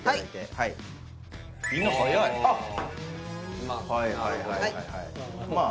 はいはいはいはいまあ